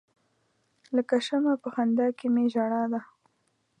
لکه شمع په خندا کې می ژړا ده.